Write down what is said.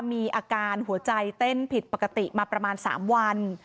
มีอาการหัวใจเต้นผิดปกติมาประมาณ๓วัน